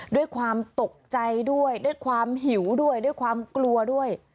ด้วยความตกใจด้วยด้วยความหิวด้วยด้วยความกลัวด้วย